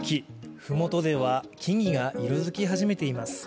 麓では木々が色づき始めています。